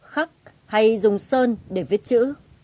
khắc hay dùng sơn để viết chữ